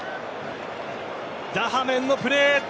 ダハメンのプレー。